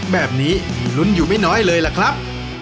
แบบนี้มีลุ้นอยู่ไม่น้อยเลยล่ะครับ